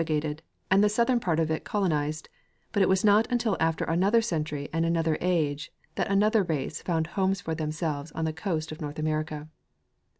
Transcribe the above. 17 gated and the southern part of it colonized ; l)nt it was not until after another century and another age that another race found homes for themselves on the coast of North America.